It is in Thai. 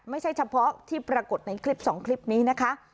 ไม่ใช่เฉพาะที่ปรากฏในคลิป๒คลิปนี้นะคะ